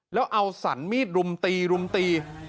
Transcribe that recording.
แล้วเอาสรรมีดรุมตีรุมตี